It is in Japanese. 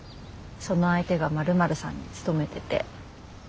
その相手がまるまるさんに勤めてて。